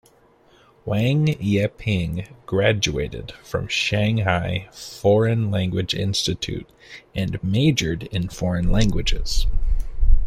Wang Yeping graduated from Shanghai Foreign Language Institute and majored in foreign languages.